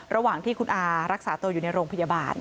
ระหว่างที่คุณอารักษาตัวอยู่ในโรงพยาบาล